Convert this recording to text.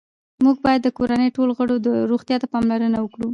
موږ باید د کورنۍ ټولو غړو روغتیا ته پاملرنه وکړو